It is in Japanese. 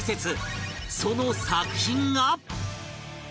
その作品が